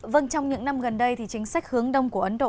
vâng trong những năm gần đây thì chính sách hướng đông của ấn độ